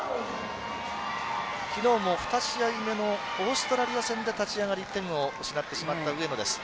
昨日も２試合目のオーストラリア戦で立ち上がり１点を失ってしまった上野です。